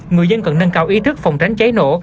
người dân cần nâng cao ý thức phòng tránh cháy nổ